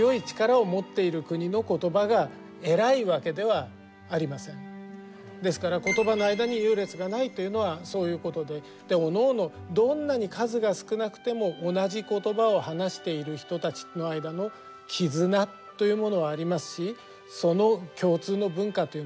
でもだからといってですからことばの間に優劣がないというのはそういうことでおのおのどんなに数が少なくても同じことばを話している人たちの間の絆というものもありますしその共通の文化っていうものもある。